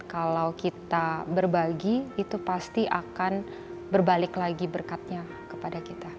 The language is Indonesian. kalau kita berbagi itu pasti akan berbalik lagi berkatnya kepada kita